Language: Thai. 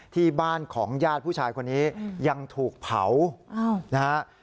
ที่บ้านของญาติผู้ชายคนนี้ยังถูกเผานะฮะ